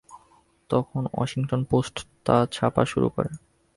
তখন Washington Post তা ছাপা শুরু করে।